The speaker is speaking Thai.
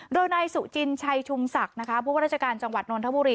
โดยนายสุจินชัยชุมศักดิ์นะคะผู้ว่าราชการจังหวัดนนทบุรี